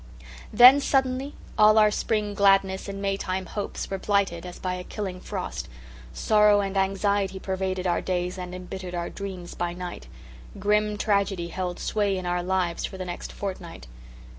Then, suddenly, all our spring gladness and Maytime hopes were blighted as by a killing frost. Sorrow and anxiety pervaded our days and embittered our dreams by night. Grim tragedy held sway in our lives for the next fortnight.